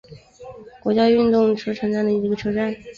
国家运动场车站里的一个车站。